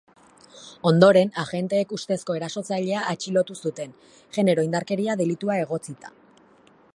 Ondoren, agenteek ustezko erasotzailea atxilotu zuten, genero indarkeria delitua egotzita.